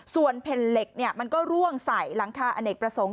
ส่วนแผ่นเหล็กมันก็ร่วงใส่หลังคาอเนกประสงค์